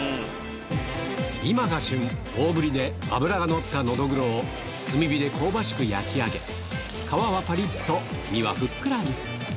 今が旬、大ぶりで脂が乗ったノドグロを、炭火で香ばしく焼き上げ、皮はぱりっと、身はふっくらに。